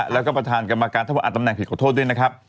แล้วก็ประธานกรรมการถ้าบอกอ่านตำแหนผิดขอโทษด้วยนะครับ